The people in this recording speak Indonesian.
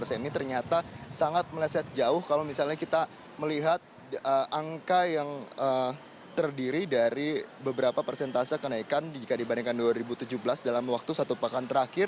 ini ternyata sangat meleset jauh kalau misalnya kita melihat angka yang terdiri dari beberapa persentase kenaikan jika dibandingkan dua ribu tujuh belas dalam waktu satu pekan terakhir